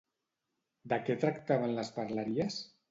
De què tractaven les parleries?